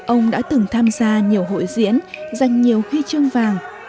ông đã từng tham gia nhiều hội diễn dành nhiều huy chương vàng